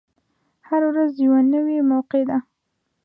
هره ورځ یوه نوی موقع ده.